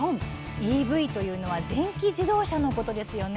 ＥＶというのは電気自動車のことですよね。